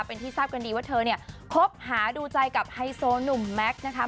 เป็นที่ทราบกันดีว่าเธอเนี่ยคบหาดูใจกับไฮโซหนุ่มแม็กซ์นะคะ